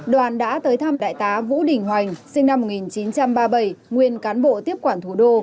đoàn đã tới thăm đại tá vũ đình hoành sinh năm một nghìn chín trăm ba mươi bảy nguyên cán bộ tiếp quản thủ đô